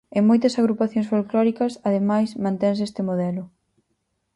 En moitas agrupacións folclóricas, ademais, mantense este modelo.